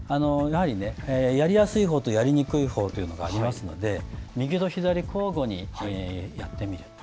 やりやすいほうと、やりにくいほうというのがありますので、右と左交互にやってみる。